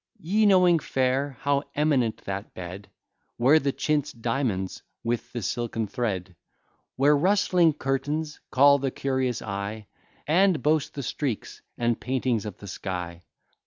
Ye knowing fair, how eminent that bed, Where the chintz diamonds with the silken thread, Where rustling curtains call the curious eye, And boast the streaks and paintings of the sky!